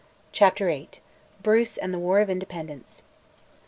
CHAPTER VIII. BRUCE AND THE WAR OF INDEPENDENCE.